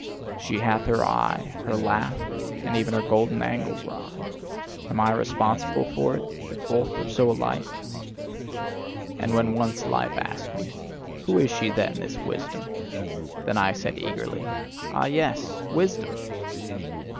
She hath her eye, her laugh, and even her golden angle rod: am I responsible for it that both are so alike? And when once Life asked me: "Who is she then, this Wisdom?" then said I eagerly: "Ah, yes! Wisdom!